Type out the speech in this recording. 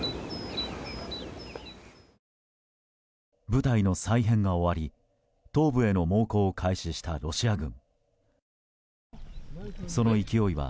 部隊の再編が終わり東部への猛攻を開始したロシア軍。